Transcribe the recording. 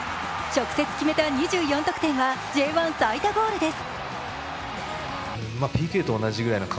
直接決めた２４得点はＪ１最多ゴールです。